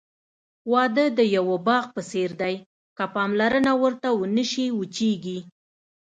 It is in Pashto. واده د یوه باغ په څېر دی، که پاملرنه ورته ونشي، وچېږي.